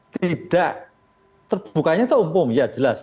tidak terbukanya itu umum ya jelas